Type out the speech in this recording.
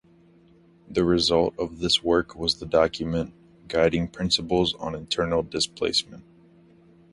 The result of this work was the document, "Guiding Principles on Internal Displacement".